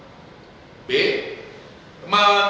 masing masing sebesar satu tahun